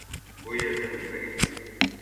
Bu yerda muzlagan